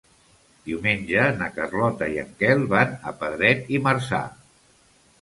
Diumenge na Carlota i en Quel van a Pedret i Marzà.